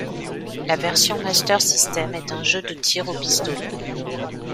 La version Master System est un jeu de tir au pistolet.